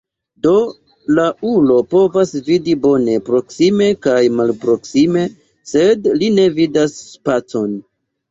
Do la ulo povas vidi bone proksime kaj malproksime, sed li ne vidas spacon.